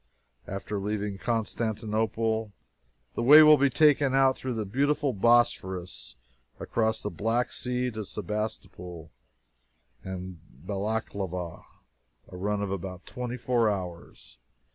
After leaving Constantinople, the way will be taken out through the beautiful Bosphorus, across the Black Sea to Sebastopol and Balaklava, a run of about twenty four hours.